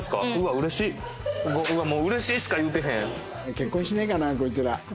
結婚しねえかなこいつら。